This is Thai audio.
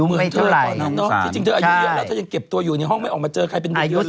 เหมือนเธอตอนนั้นเนาะที่จริงเธออายุเยอะแล้วเธอยังเก็บตัวอยู่ในห้องไม่ออกมาเจอใครเป็นเด็กเยอะเลย